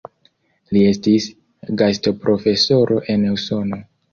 Li estis gastoprofesoro en Usono.